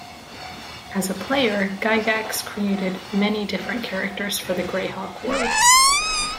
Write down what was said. As a player, Gygax created many different characters for the Greyhawk world.